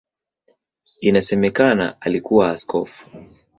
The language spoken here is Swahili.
Inasemekana alikuwa askofu.